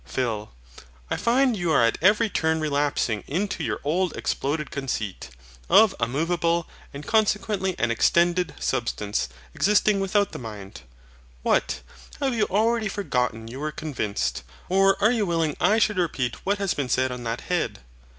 PHIL. I find you are at every turn relapsing into your old exploded conceit, of a moveable, and consequently an extended, substance, existing without the mind. What! Have you already forgotten you were convinced; or are you willing I should repeat what has been said on that head?